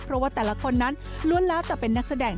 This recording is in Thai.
เพราะว่าแต่ละคนนั้นล้วนแล้วแต่เป็นนักแสดง